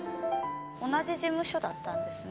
同じ事務所だったんですね。